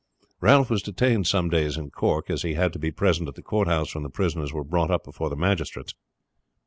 Ralph was detained some days in Cork, as he had to be present at the courthouse when the prisoners were brought up before the magistrates.